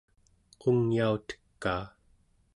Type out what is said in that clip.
qungyautekaa